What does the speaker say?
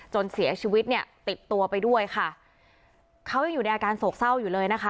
จนเสียชีวิตเนี่ยติดตัวไปด้วยค่ะเขายังอยู่ในอาการโศกเศร้าอยู่เลยนะคะ